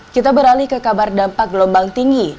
kita beralih ke kabar dampak gelombang tinggi